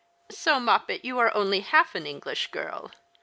" So, Moppet, you are only half an English girl.